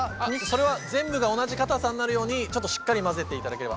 それは全部が同じかたさになるようにちょっとしっかり混ぜていただければ。